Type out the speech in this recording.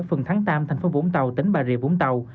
phần thắng tam thành phố vũng tàu tỉnh bà rịa vũng tàu